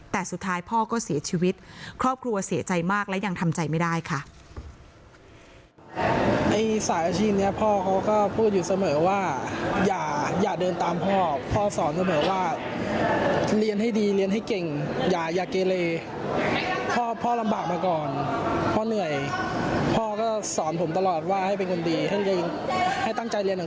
แต่สุดท้ายพ่อก็เสียชีวิตครอบครัวเสียใจมากและยังทำใจไม่ได้ค่ะ